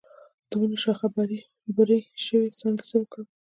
د ونو شاخه بري شوي څانګې څه کړم؟